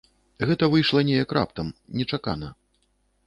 Гэта выйшла неяк раптам, нечакана.